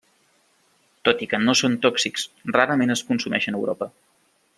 Tot i que no són tòxics rarament es consumeixen a Europa.